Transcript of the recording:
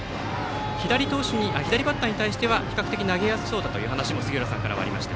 左バッターに対しては比較的投げやすそうだというお話が杉浦さんからありました。